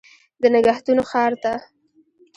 د نګهتونو ښار ته